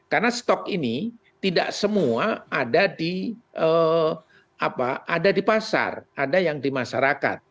karena stok ini tidak semua ada di pasar ada yang di masyarakat